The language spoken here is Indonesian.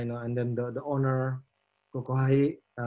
dan pemiliknya koko hai